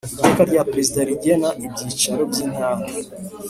Iteka rya Perezida rigena ibyicaro by Intara .